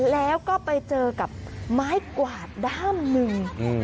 แล้วก็ไปเจอกับไม้กวาดด้ามหนึ่ง